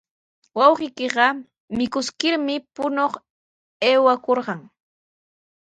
Wawqiiqa mikuskirmi puñuq aywakurqan.